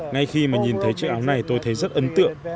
ngay khi mà nhìn thấy chiếc áo này tôi thấy rất ấn tượng